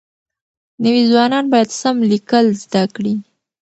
نوي ځوانان بايد سم ليکل زده کړي.